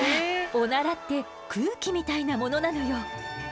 オナラって空気みたいなものなのよ。